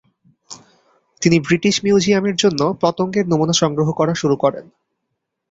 তিনি ব্রিটিশ মিউজিয়ামের জন্য পতঙ্গের নমুনা সংগ্রহ করা শুরু করেন।